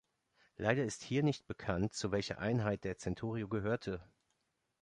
Leider ist hier nicht bekannt, zu welcher Einheit der Centurio gehörte.